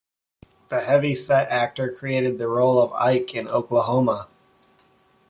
The heavy-set actor created the role of Ike in Oklahoma!